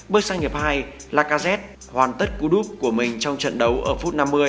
bước sang nhập hai lacazette hoàn tất cú đúc của mình trong trận đấu ở phút năm mươi